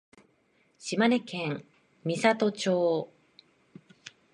島根県美郷町